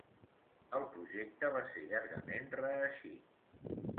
El projecte va ser llargament reeixit.